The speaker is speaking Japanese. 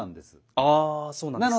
ああそうなんですね。